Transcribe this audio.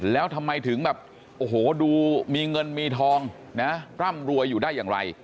แล้วทำไมถึงแบบโอ้โหดูมีเงินมีทองนะร่ำรวยอยู่ได้อย่างไร